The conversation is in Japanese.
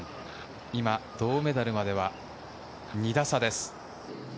今、銅メダルまでは２打差です。